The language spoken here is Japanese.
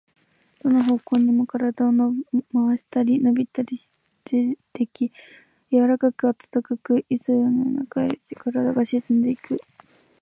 どの方向にも身体を廻したり、のびをしたりでき、柔かく暖かく、いよいよそのなかへ身体が沈んでいく。